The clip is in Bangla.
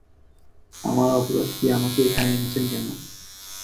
আমার অপরাধ কী আমাকে এখানে এনেছেন কেন?